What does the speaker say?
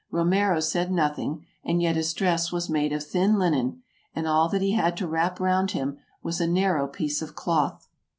Romero said nothing, and yet his dress was made of thin linen, and all that he had to wrap round him was a narrow piece of cloth.